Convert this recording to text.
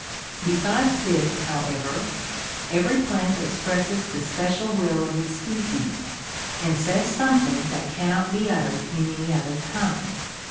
Besides this, however, every plant expresses the special will of its species, and says something that cannot be uttered in any other tongue.